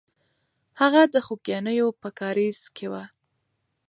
هغه د خوګیاڼیو په کارېز کې وه.